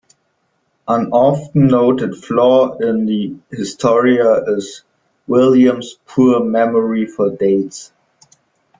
An often-noted flaw in the "Historia" is William's poor memory for dates.